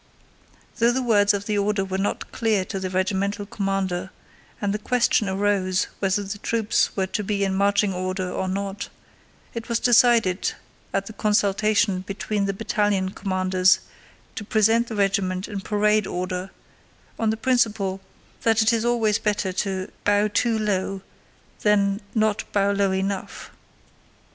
Though the words of the order were not clear to the regimental commander, and the question arose whether the troops were to be in marching order or not, it was decided at a consultation between the battalion commanders to present the regiment in parade order, on the principle that it is always better to "bow too low than not bow low enough."